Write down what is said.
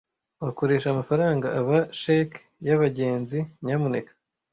Wakoresha amafaranga aba cheque yabagenzi, nyamuneka?